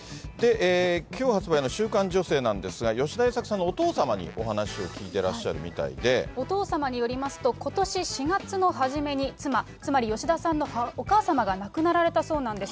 きょう発売の週刊女性なんですが、吉田栄作さんのお父様におお父様によりますと、ことし４月の初めに妻、つまり吉田さんのお母様が亡くなられたそうなんです。